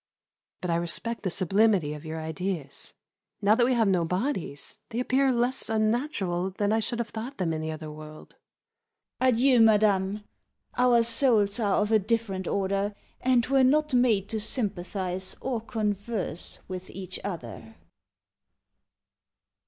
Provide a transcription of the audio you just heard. But I respect the sublimity of your ideas. Now that we have no bodies they appear less unnatural than I should have thought them in the other world. Princess of Orange. Adieu, madam. Our souls are of a different order, and were not made to sympathise or converse with each other.